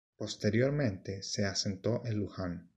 Posteriormente se asentó en Luján.